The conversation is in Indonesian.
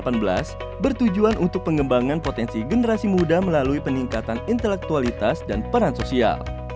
genb leadership camp dua ribu delapan belas bertujuan untuk pengembangan potensi generasi muda melalui peningkatan intelektualitas dan peran sosial